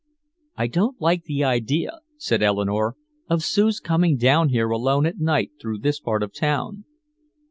"I don't like the idea," said Eleanore, "of Sue's coming down here alone at night through this part of town."